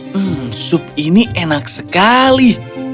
hmm sup ini enak sekali